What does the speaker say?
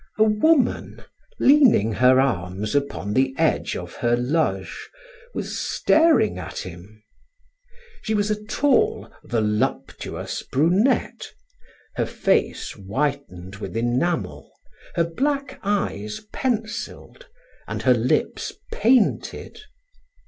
A woman, leaning her arms upon the edge of her loge, was staring at him. She was a tall, voluptuous brunette, her face whitened with enamel, her black eyes penciled, and her lips painted.